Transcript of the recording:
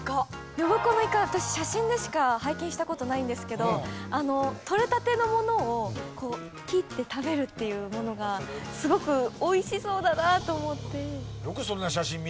呼子のイカ私写真でしか拝見した事ないんですけどとれたてのものを切って食べるっていうものがすごく美味しそうだなと思って。